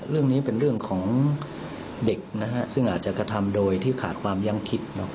เรื่องนี้เป็นเรื่องของเด็กนะฮะซึ่งอาจจะกระทำโดยที่ขาดความยังคิด